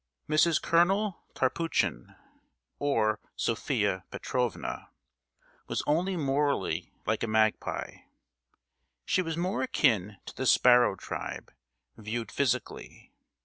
Mrs. Colonel Tarpuchin, or Sophia Petrovna, was only morally like a magpie; she was more akin to the sparrow tribe, viewed physically.